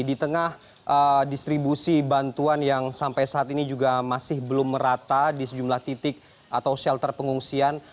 di tengah distribusi bantuan yang sampai saat ini juga masih belum merata di sejumlah titik atau shelter pengungsian